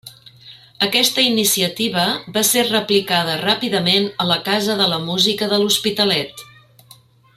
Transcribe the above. Aquesta iniciativa va ser replicada ràpidament a la Casa de la Música de l'Hospitalet.